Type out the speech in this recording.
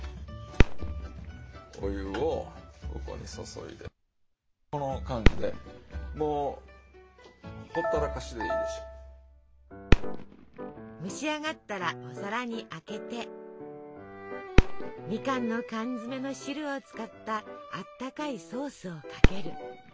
お湯をここに注いでこの感じでもう蒸し上がったらお皿にあけてみかんの缶詰の汁を使ったあったかいソースをかける。